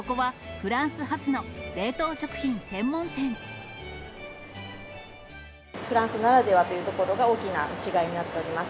フランスならではというところが、大きな違いになっております。